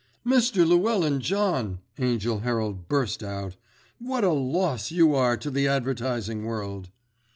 "Mr. Llewellyn John," Angell Herald burst out, "what a loss you are to the advertising world!"